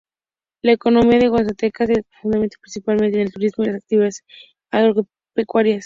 La economía de Guanacaste se fundamenta principalmente en el turismo y las actividades agropecuarias.